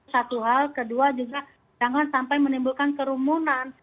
satu hal kedua juga jangan sampai menimbulkan kerumunan